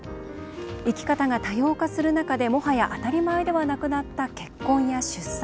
生き方が多様化する中でもはや当たり前ではなくなった結婚や出産。